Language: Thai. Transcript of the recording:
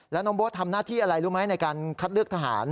แล้วน้องโบ๊ททำหน้าที่อะไรรู้ไหมในการคัดเลือกทหาร